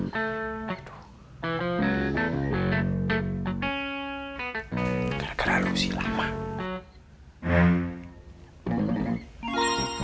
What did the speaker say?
gara gara lu sih lama